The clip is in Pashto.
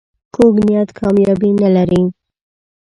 کوږ نیت کامیابي نه لري